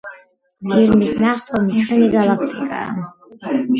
ირმის ნახტომი ჩვენი გალაქტიკაა